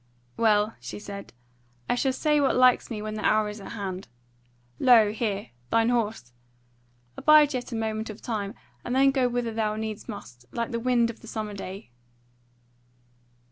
"Well," she said, "I shall say what likes me when the hour is at hand. Lo, here! thine horse. Abide yet a moment of time, and then go whither thou needs must, like the wind of the summer day."